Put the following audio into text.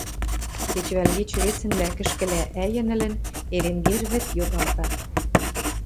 Кечӹвӓл кечӹ вецӹнлӓ, кӹшкӹлӓ ӓйӹнӹлӹн, Эренгер вӹд йогалта.